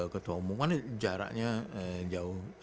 ketua umum kan jaraknya jauh